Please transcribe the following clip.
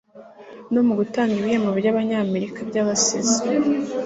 no mugutanga ibihembo byabanyamerika byabasizi